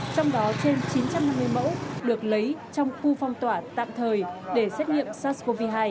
trong đó trên chín trăm năm mươi mẫu được lấy trong khu phong tỏa tạm thời để xét nghiệm sars cov hai